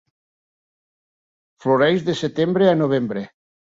Floreix de setembre a novembre.